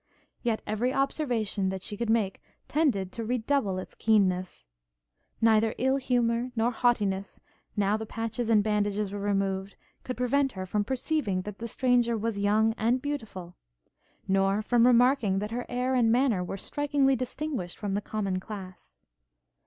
Yet every observation that she could make tended to redouble its keenness. Neither ill humour nor haughtiness, now the patches and bandages were removed, could prevent her from perceiving that the stranger was young and beautiful; nor from remarking that her air and manner were strikingly distinguished from the common class.